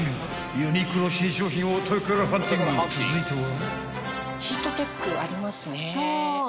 ［続いては］